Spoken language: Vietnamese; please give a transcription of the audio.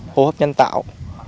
hô hấp nhân tạo